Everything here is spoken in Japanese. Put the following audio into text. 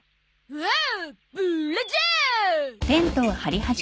おお！